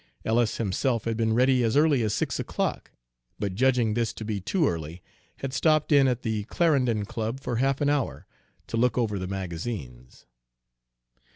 Ellis himself had been ready as early as six o'clock, but judging this to be too early, had stopped in at the Clarendon Club for half an hour, to look over the magazines.